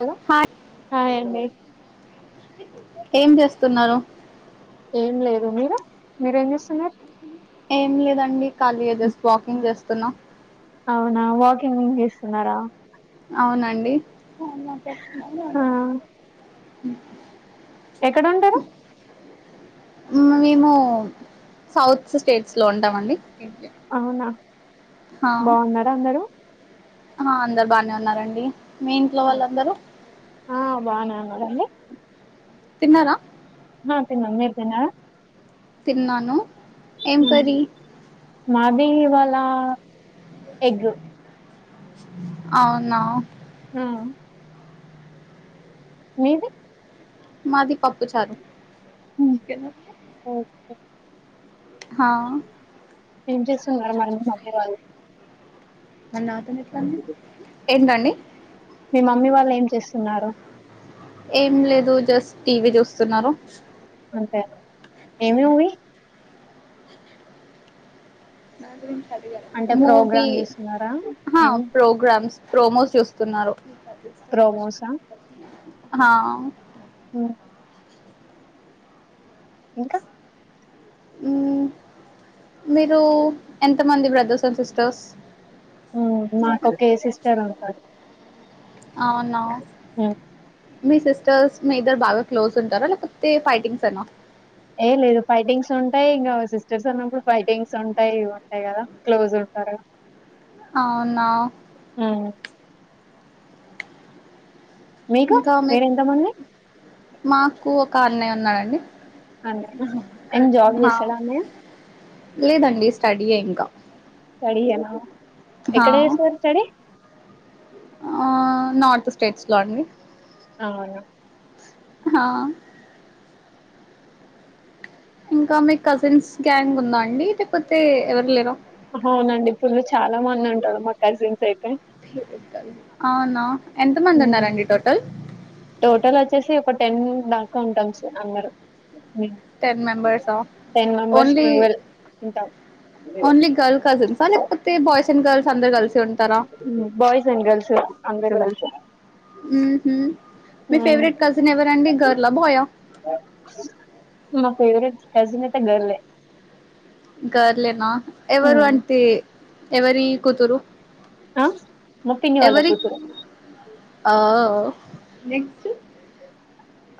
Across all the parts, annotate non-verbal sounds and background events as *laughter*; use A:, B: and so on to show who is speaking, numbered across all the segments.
A: Hello
B: hi
A: hi అండీ
B: ఏం చేస్తున్నారు.
A: ఏం లేదు మీరు మీరు ఏం చేస్తున్నారు.
B: ఏం లేదండి ఖాళీయే జస్ట్ వాకింగ్ చేస్తున్నా,
A: అవునా వాకింగ్ చేస్తున్నారా,
B: అవునండి
A: ఆ ఎక్కడ ఉంటారు.
B: మేము సౌత్ స్టేట్స్ లో ఉంటా మండి.
A: అవునా బాగున్నారా అందరూ
B: ఆ అందరు బాగానే ఉన్నారండి, మీ ఇంట్లో వాళ్ళందరూ
A: ఆ అండీ
B: తిన్నారా
A: ఆ తిన్నాను మీరు తిన్నారా
B: తిన్నాను ఏం కర్రీ
A: ది ఇవాళ ఎగ్గు
B: అవునా
A: మ్మ్ మీది
B: మాది పప్పు చారు
A: ఎ
B: హా
A: ఏం చేస్తున్నారు మరి మమ్మీ వాళ్ళు
B: మ నాతోని ఎట్లాండి ఏంటండి
A: మీ మమ్మీ వాళ్ళు ఏం చేస్తున్నారు
B: ఏం లేదు జస్ట్ టీ వీ చూస్తున్నారు
A: అంటారు ఏ మ్యూవి అంటే
B: మూవీ
A: ప్రోగ్రామ్ చేస్తున్నారా
B: ఆ
A: ఏం
B: ప్రోగ్రామ్స్ ప్రోమో చూస్తున్నారు
A: ప్రోమోసా
B: ఆ
A: ఉమ్, ఇంకా
B: మ్మ్ మీరు ఎంతమంది బ్రదర్స్ అండ్ సిస్టర్స్
A: మ్మ్ మాకు ఒకే సిస్టర్ ఉంటారు
B: అవున మీ సిస్టర్స్ మీ ఇద్దరు బాగా క్లోజ్ ఉంటారా లేకపోతే ఫైటింగ్స్ ఈనా
A: ఏం లేదు ఫైటింగ్స్ ఉంటాయి ఇంకా సిస్టర్స్ అన్నప్పుడు ఫైటింగ్స్ ఉంటాయి ఉంటాయి కదా క్లోజ్ ఉంటాయి అ
B: అవునా
A: మీకు
B: ఇంకా మీక్
A: మీరెంత మంది
B: మాకు ఒక అన్నయ్య ఉన్నాడండి
A: అన్నయ్యనా అండ్ జాబ్
B: ఆ
A: చేస్తాడా అన్నయ్య
B: లేదండి స్టడీ యే ఇంకా
A: స్టడీ ఏనా
B: హా
A: ఎక్కడ చేస్తారు స్టడీ
B: ఆ నార్త్ స్టేట్స్ లో అండి
A: అవున
B: హా ఇంకా మీ కజిన్స్ గ్యాంగ్ ఉందా అండి లేకపోతే ఎవరు లేరా
A: అవునండి ఫుల్లు చాలా మంది ఉంటారు మా కజిన్స్ అయితే
B: అవునా ఎంత మంది ఉన్నారండి టోటల్
A: టోటల్ వచ్చేసి ఒక టెన్ దాకా ఉంటాం సార్ అందరు
B: టెన్ మెంబెర్స్ ఆ
A: టెన్ మెంబర్స్
B: ఓన్లీ
A: ట్వెల్వ్ ఉంటాం
B: ఓన్లీ గర్ల్ కజిన్స లేకపోతే బాయ్స్ గల్స్ అందరు కలిసి ఉంటారా
A: అందరూ కలిసి
B: మ్మ్ హు మీ
A: ఉమ్.
B: ఫేవరెట్ కజిన్ ఎవరూ అండి గర్ల బాయ
A: మా ఫేవరెట్ కజిన్ అయితే గర్లే
B: గర్లేనా ఎవరు అంటే ఎవరి కూతురు
A: ఆ మా పిన్ని వాళ్ళ
B: ఎవరి
A: కూతురు
B: ఆ లేకపోతే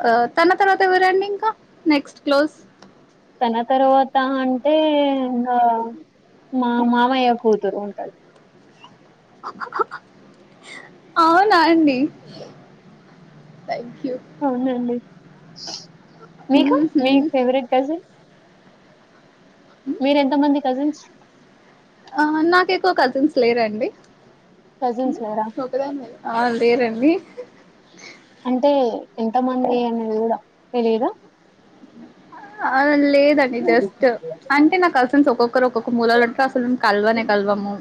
B: ఆ తన తర్వాత ఎవరండి ఇంకా నెక్స్ట్ క్లోజ్
A: తన తర్వాత అంటే ఇంగ మా మామయ్య కూతురు ఉంటది
B: అవునా అండి
A: అవునండి మీకు
B: ఉహు
A: మీ ఫేవరెట్ కజిన్ మీరు ఎంతమంది కజిన్స్
B: ఆ నాకు ఎక్కువ కజిన్స్ లేరండి
A: కజిన్స్ లేరా
B: ఆ లేరండి
A: అంటే ఎంతమంది అనేది కూడా తెలీద
B: ఆ లే లేదండి జస్ట్ అంటే నాకు కజిన్స్ ఒక్కొక్కరు ఒక్కొక్క మూలాలు ఉంటారు అసలు కలవానే కలవాము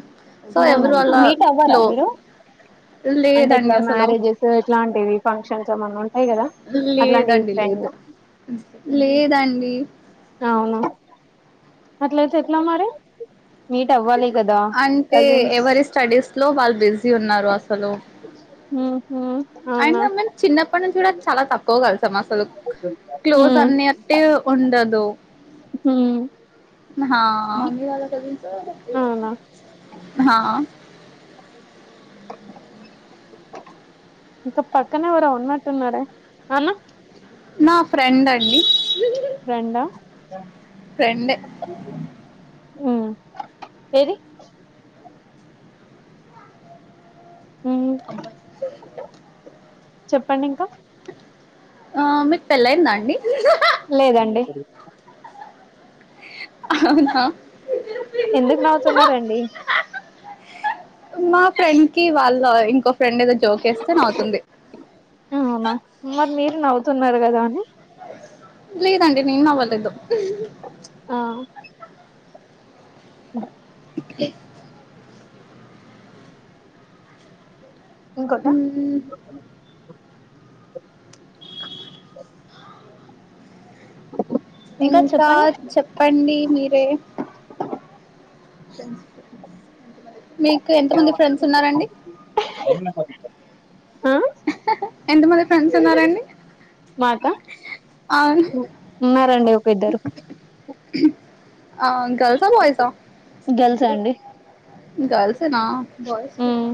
A: అవునా మీట్ అవ్వరా మీరు అంటే
B: లేదండి
A: ఇట్లా
B: అసలు
A: మ్యారేజెస్ ఎట్లాంటివి ఫంక్షన్స్ ఏమన్నా ఉంటాయి కదా అట్లాంటి
B: లేదండి
A: టైమ్
B: లేదు
A: లో
B: లేదండి
A: అవునా అట్లా అయితే ఎట్లా మరి మీట్ అవ్వాలి కదా
B: అంటే
A: కజిన్స్
B: ఎవరి స్టడీస్ లో వాళ్ళు బిజీ ఉన్నారు అసలు
A: ఉహు అవునా
B: అయినా మేము చిన్నప్పటి నుంచి కూడా చాలా తక్కువ కలుసాం అసలు క్లోజ్ అన్నియట్టు ఉండదు
A: హు
B: హా
A: అవునా
B: హ *inaudible*
A: ఇంకా పక్కన ఎవరో ఉన్నట్టున్నరే అన్న
B: నా ఫ్రెండ్ అండి
A: ఫ్రెండా
B: ఫ్రెండే
A: ఉ ఏది ఉమ్
B: అబ్బ
A: చెప్పండి ఇంకా
B: ఆ మీకు పెళ్లయిందా అండి
A: లేదండి
B: అవునా
A: ఎందుకు నవ్వుతున్నారండి
B: మా ఫ్రెండ్ కి వాళ్ళ ఇంకో ఫ్రెండ్ ఏదో జోక్ వేస్తే నవ్వుతుంది
A: న్నారు కదా అని
B: లేదండి నేను నవ్వలేదు
A: ఆ *inaudible* ఇంకోట
B: *inaudible* ఇంకా చెప్పండి మీరే ఫ్రెండ్స్ మీకు ఎంత మంది ఫ్రెండ్స్ ఉన్నారండి
A: ఆ
B: ఎంత మంది ఫ్రెండ్స్ ఉన్నారండి
A: నాకా
B: అవును
A: ఉన్నారండి ఒక ఇద్దరు
B: ఆ గర్ల్స్ ఆ బోయిస్ ఆ
A: గర్ల్స్ అండి
B: గర్ల్స్నా ఎన బాయ్స్ లేరా
A: ఉమ్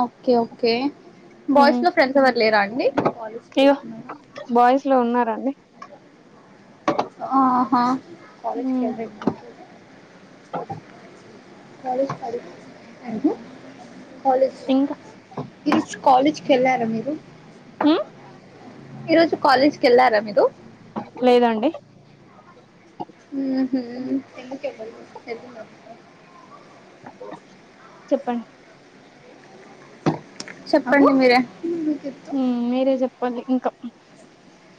B: ఓకే ఓకే బాయ్స్
A: ఉమ్
B: లో ఫ్రెండ్స్ ఎవరు లేరా అండి.
A: ఇగో బాయ్స్ లో ఉన్నారండి
B: ఆహా కాలేజ్
A: ఉమ్
B: కల్ద మా కాలేజ్ ప అ కాలేజ్
A: ఇంకా
B: ఈరోజు కాలేజ్కి వెళ్ళారా మీరు
A: ఉమ్
B: ఈరోజు కాలేజ్ కెల్లారా మీరు
A: లేదండి
B: ఉ హు ఎందుకే ఎ
A: చెప్పండి
B: చెప్పండి మీరే
A: మ్ మీరే చెప్పాలి ఇంకా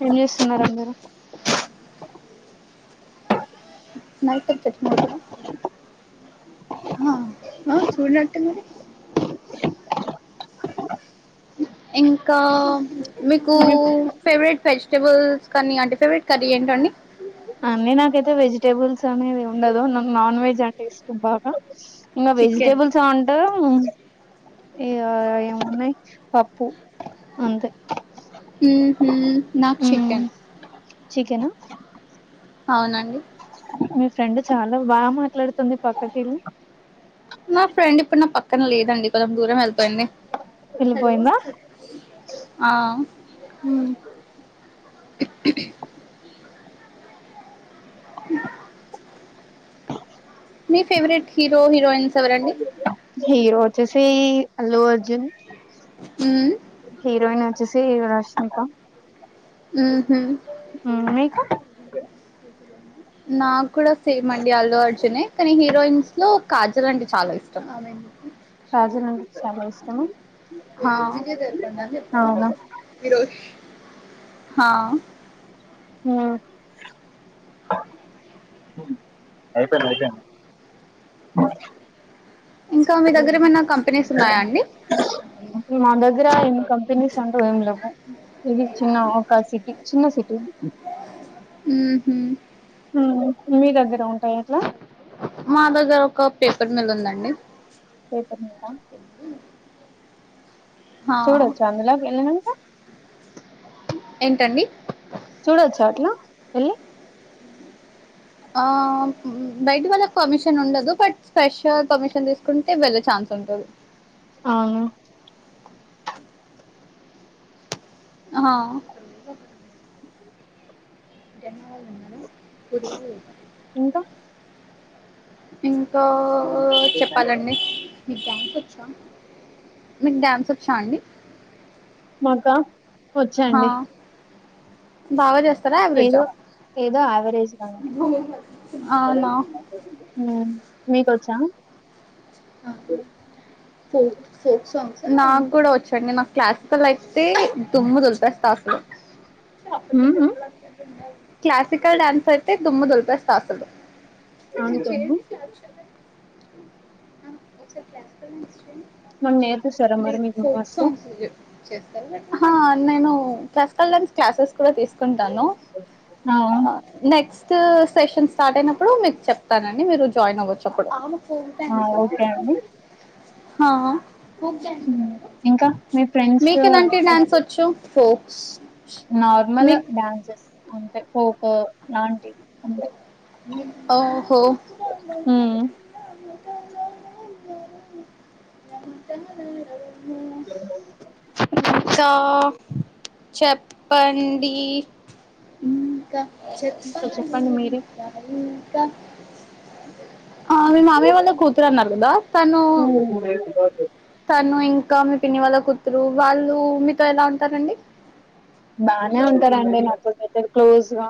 A: ఏం చేస్తున్నారు అందరు
B: నైట్కి చచ్చ మోతరా ఆ ఆ చూడనటున్నారు ఇంకా మీకు
A: మీరు
B: ఫేవరెట్ వెజ్ టెబుల్స్ కానీ అంటే ఫేవరెట్ కర్రీ ఏంటండి
A: టనేది ఏం ఉండదు నాకు నాన్ వెజ్ అంటే ఇష్టం బాగా ఇంగా
B: చికెన్
A: వెజిటేబుల్స్ ఆ అంటే ఇగా ఏమున్నాయి పప్పుూ అంతే
B: ము హు నాక్
A: మ్మ్
B: చికెన్
A: చికెనా
B: అవునండి
A: మీ ఫ్రెండ్ చాలా బాగా మాట్లాడుతుంది పక్కకెళ్ళి
B: నా ఫ్రెండ్ ఇప్పుడు నా పక్కన లేదండి కొెంజం దూరం వెళ్ పోయింది
A: వెళ్ళిపోయిందా
B: హా ఇట్లీ మీ ఫేవరెట్ హీరో హీరోయిన్స్ ఎవరండి
A: హీరో వచేసి అల్లు అర్జున్
B: ఉమ్
A: హీరోయిన్ వచ్చేసి రష్మిక
B: మ్ హు
A: మ్ మీకా
B: నాకు కూడా సేమ్ అండి అల్లు అర్జునే కానీ హీరోయిన్స్ లో కాజల్ అంటే చాలా ఇష్టం
A: కాజల్ అంటే చాలా ఇష్టమా
B: హా
A: అవునా
B: హా
A: అ ఐపోయింది ఐపోయింది
B: ఇంకా మీ దగ్గర ఏమైనా కంపెనీస్ ఉన్నాయా అండి
A: ఇప్పుడు మా దగ్గర ఏం కంపెనీస్ అంటు ఏం లేవు ఇది చిన్న ఒక సిటీ చిన్న సిటీ
B: మ్ హు
A: మీ దగ్గర ఉన్
B: మా దగ్గర ఒక పేపర్ మిల్ ఉందండి
A: పేపర్ మిల్లా
B: హా
A: చూడోచ్చ అందులోకి వెళ్ళినంకా
B: ఏంటండి
A: చూడచ్చ అట్ల ఎల్లీ
B: ఆ బయటి వాళ్ళక్ పమిషన్ ఉండదు బట్ స్పెషల్ పమిషన్ తీసుకుంటే వెళ్ళే ఛాన్స్ ఉంటు తది
A: అవును
B: ఆ జంగా నిన్నను కురువల వ
A: ఇంకా
B: ఇంకా చెప్పాలండి మీకు డాన్ చ్చ మీకు డ్యాన్స్ వచ్చా అండి
A: ఇంకా
B: హా
A: వచ్చండి
B: బాగా చేస్తారా
A: ఏదో
B: యావరేజా
A: ఏదోవరేజ్ కా
B: అవునా
A: ఉమ్ మీకొచ్చా
B: ఆ ఫోక్ ఫోక్ సాంగ్స్ నాకు కూడా వచ్చండి నాకు క్లాసికల్ అయితే దుమ్ము దులిపేస్తా అసలు క్లాసికల్ డ్యాన్స్ అయితే దుమ్ము దులిపేస్తా అసలు ఒకసారి
A: అనుకోను
B: చేయండి క్లా ఒకసారి *unintelligible*
A: మాకు నేర్పిస్తారా మరి
B: లేదు
A: మీకు
B: ఫోక్
A: వస్తే
B: సాంగ్స్ *unintelligible* హా నేను క్లాసికల్ డాన్స్ క్లాసెస్ కూడా తీసుకుంటు నాను
A: ఆ
B: నెక్స్ట్ నెక్స్ట్ సెషన్ స్టార్ట్ అయినప్పుడు మీకు చెప్తానండి మీరు జాయిన్ అవ్వచ్చుప్పుడు
A: ఆ ఓకే అండి
B: హా
A: ఉమ్ ఇంకా మీ ఫ్రెండ్స్
B: మీకు ఎలాంటి డ్యాన్స్ ఒచ్చు ఫోక్స్
A: నార్మల్
B: మీకు
A: డాన్సెస్ అంటే ఫోక్ లాంటివి అంటే
B: ఓహో *inaudible* చ చె ప్పండి
A: ఇంకా చెప్పండి మీరే
B: ఇంకా ఆ మీ మామయ్య వాళ్ళ కూతురు అన్నారు కదా తను తను ఇం ఇంకా మీ పిన్ని వాళ్ళ కూతురు వాళ్ళు మీతో ఎలా ఉంటారండి
A: బానే ఉంటారండి నాతోప్పుడుకైతే క్లోజ్గా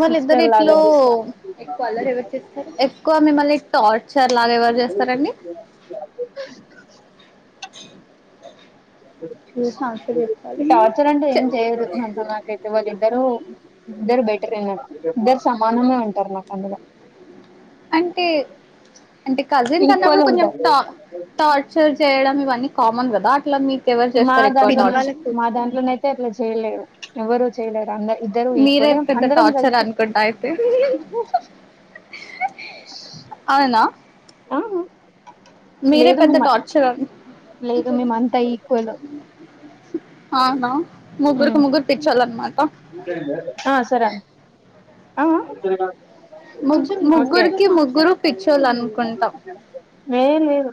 B: వాళ్ళ ఇద్దరు ఇట్లో ఎక్కువ అల్లరి ఎవరుచేస్తారు ఎక్కువ మిమ్మల్ని టార్ ర్చర్ లాగ ఎవరు చేస్తారండి *unintelligible* టార్చర్ చేస్తా
A: టార్చర్ అంటే ఏం చేయదు అంత నాకైతే వాళ్ళు ఇద్దరు ఇద్దరు బెట్ రే ఇద్దరు సమానమే ఉంటారు నాకు అందులో
B: అంటే అంటే కజిన్స్ అన్నప్పుడు
A: ఈక్వల్
B: కొంచెం
A: ఉంటారు
B: టా టార్చర్ చేయడం ఇవన్నీ కామన్ కదా అట్లా మీకు ఎవరు
A: మా
B: చేస్తారు
A: దాంట్లోనైతే మా దాంట్లోనయితే అట్లా చేయలేరు ఎవరుూ చేయలేరు అందరు ఇద్దరు
B: మీరే
A: ఈక్వల్
B: పెద్ద
A: అందరం
B: టార్చర్
A: గలిసి
B: అనుకుంటా అయితే అవునా
A: ఆ
B: మీరే
A: లేదు
B: పెద్ద
A: మేము
B: టార్చర్
A: లేదు మేము అంతా ఈక్వల్
B: ఆ అవునా ముగ్గురుకి ముగ్గురు పిచ్చాలన్నమాట *inaudible*
A: ఆఆ
B: ము ముగ్గురుకి ముగ్గురు పిచ్చోలు అనుకుంటా
A: లేదు లేదు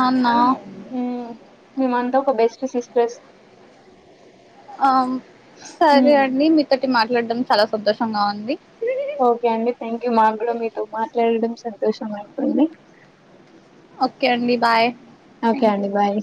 B: అవునా
A: హ్మ్ మీమంత ఒక బెస్ట్ సిస్ట్రెస్
B: ఆ సరే అండి మీతోటి మాట్లాడడం చాలా సంతోషంగా ఉంది
A: ఓకే అండి థ్యాంక్ యూ మా కూడా మీతో మాట్లాడడం సంతోషం అప్పుంది
B: ఓకే అండి బాయ్
A: ఓకే
B: థ్యాంక్
A: అండి
B: యూ
A: బాయ్